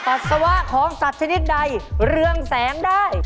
ปัสสาวะของสัตว์ชนิดใดเรืองแสงได้